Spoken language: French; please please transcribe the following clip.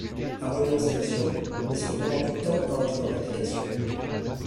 La renonciation met cependant du temps à entrer en application.